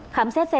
khám xét xe tải